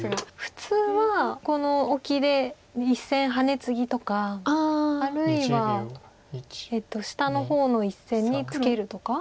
普通はこのオキで１線ハネツギとかあるいは下の方の１線にツケるとか。